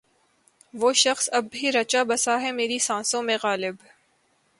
وہ شخص اب بھی رچا بسا ہے میری سانسوں میں غالب